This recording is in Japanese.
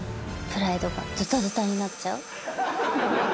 プライドがずたずたになっちゃう？